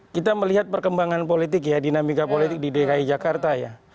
kita melihat perkembangan politik ya dinamika politik di dki jakarta ya